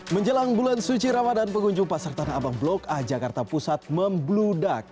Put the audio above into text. menjelang bulan suci ramadan pengunjung pasar tanah abang blok a jakarta pusat membludak